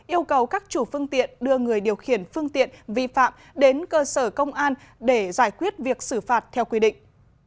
yêu cầu các chủ phương tiện đưa người điều khiển phương tiện vi phạm đến cơ sở công an để giải quyết việc xử phạt theo quy định